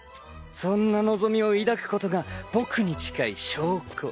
そんな望みを抱くことが僕に近い証拠。